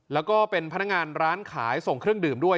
แล้วก็เป็นพนักงานร้านขายส่งเครื่องดื่มด้วย